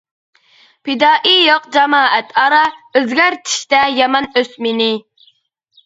پىدائىي يوق جامائەت ئارا، ئۆزگەرتىشتە يامان ئۆسمىنى.